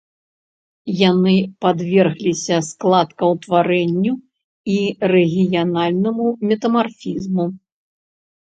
Яны падвергліся складкаўтварэнню і рэгіянальнаму метамарфізму.